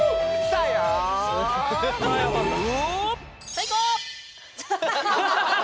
最高！